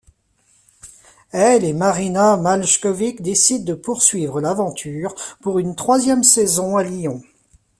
Elle et Marina Maljkovic décident de poursuivre l'aventure pour une troisième saison à Lyon.